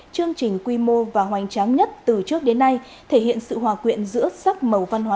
chương trình quy mô và hoành tráng nhất từ trước đến nay thể hiện sự hòa quyện giữa sắc màu văn hóa